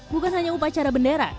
bukan hanya upacara bendera